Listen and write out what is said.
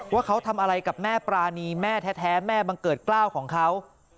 ว่าเขาทำอะไรกับแม่ปรานีแม่แท้แม่บังเกิดกล้าวของเขา